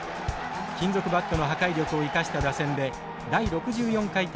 金属バットの破壊力を生かした打線で第６４回大会で優勝。